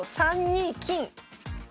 ３二金。